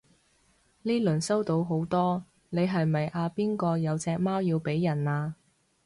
呢輪收到好多你係咪阿邊個有隻貓要俾人啊？